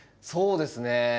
そうですね。